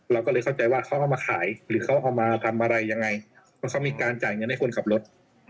เราก็เลยเข้าใจว่าเขาเอามาขายหรือเขาเอามาทำอะไรยังไงเพราะเขามีการจ่ายเงินให้คนขับรถ